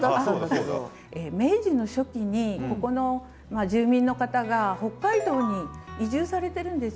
明治の初期にここの住民の方が北海道に移住されてるんですね。